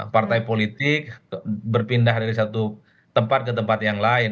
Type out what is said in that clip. partai politik berpindah dari satu tempat ke tempat yang lain